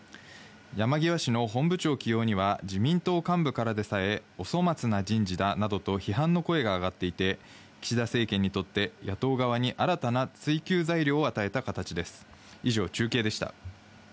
山際氏の本部長起用には、自民党幹部からでさえ、お粗末な人事だなどと批判の声が上がっていて、岸田政権にとって、野党側に新たに追及材料を与えた形です。